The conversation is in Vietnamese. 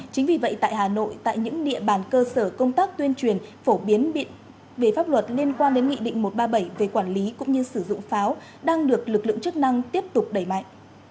chính vì vậy tại hà nội tại những địa bàn cơ sở công tác tuyên truyền phổ biến về pháp luật liên quan đến nghị định một trăm ba mươi bảy về quản lý cũng như sử dụng pháo đang được lực lượng chức năng tiếp tục đẩy mạnh